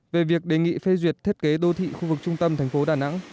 về việc đề nghị phê duyệt thiết kế đô thị khu vực trung tâm thành phố đà nẵng